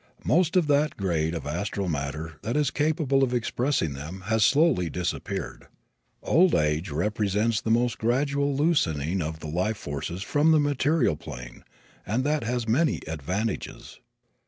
Most of that grade of astral matter that is capable of expressing them has slowly disappeared. Old age represents the most gradual loosening of the life forces from the material plane, and that has many advantages.